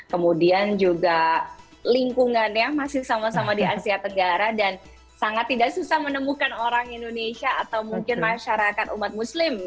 kemudian juga lingkungannya masih sama sama di asia tenggara dan sangat tidak susah menemukan orang indonesia atau mungkin masyarakat umat muslim